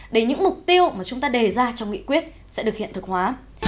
để những mục tiêu mà chúng ta đề ra trong nghị quyết sẽ được hiện thực hóa